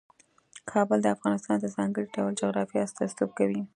کابل د افغانستان د ځانګړي ډول جغرافیه استازیتوب کوي.